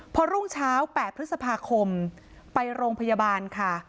พอรุ่งเช้า๘พฤษภาคมไปโรงพยาบาลค่ะ